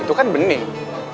itu kan bening